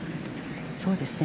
そうですね。